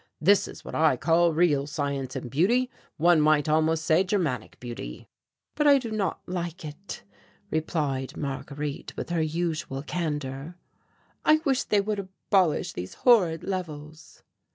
This is what I call real science and beauty; one might almost say Germanic beauty." "But I do not like it," replied Marguerite with her usual candour. "I wish they would abolish these horrid levels."